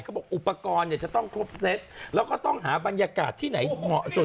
มันต้องกลบเซทและต้องหาบรรยากาศที่ไหนเหมาะสุด